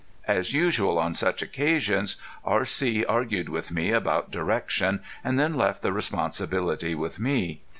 As usual on such occasions R.C. argued with me about direction, and then left the responsibility with me.